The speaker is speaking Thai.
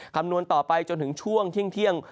คำนวณต่อไปจนถึงช่วงเที่ยง